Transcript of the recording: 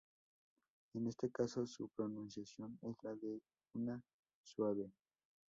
En este caso, su pronunciación es la de una J suave.